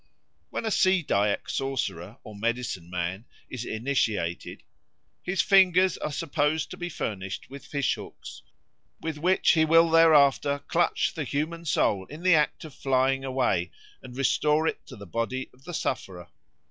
When a Sea Dyak sorcerer or medicine man is initiated, his fingers are supposed to be furnished with fish hooks, with which he will thereafter clutch the human soul in the act of flying away, and restore it to the body of the sufferer.